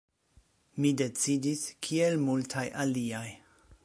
Mi decidis, kiel multaj aliaj.